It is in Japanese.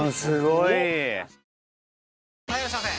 ・はいいらっしゃいませ！